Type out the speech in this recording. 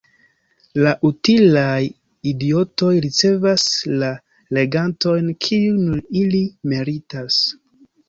La utilaj idiotoj ricevas la regantojn kiujn ili meritas.